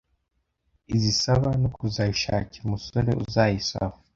Izisaba no kuzayi shakira umusore uzayisaba